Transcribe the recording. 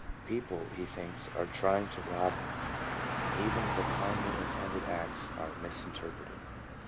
People, he thinks, are trying to rob him, and even the kindly intended acts are misinterpreted.